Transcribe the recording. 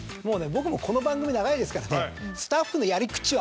僕もこの番組長いですからね。